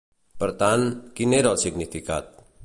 Per tant, quin era el significat?